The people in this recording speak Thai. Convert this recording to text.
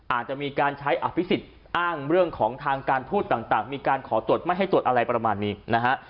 อาจจะมีการใช้อภิษฎอ้างเรื่องของทางการพูดต่างมีการขอตรวจไม่ให้ตรวจอะไรประมาณนี้นะฮะ